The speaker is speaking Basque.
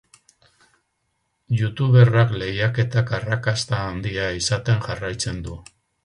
Youtuberrak lehiaketak arrakasta handia izaten jarraitzen du.